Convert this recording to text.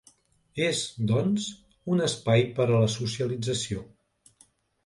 És, doncs, un espai per a la socialització.